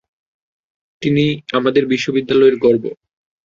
তিনি আমাদের বিশ্ববিদ্যালয়ের গর্ব।